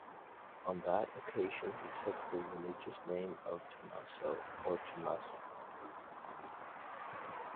On that occasion he took the religious name of "Tommaso" (or "Tomaso").